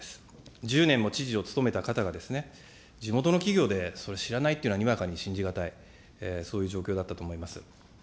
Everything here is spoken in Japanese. １０年も知事を務めた方がですね、地元の企業でそれ、知らないというのは、にわかに信じ難い、そういう状況だったと思います。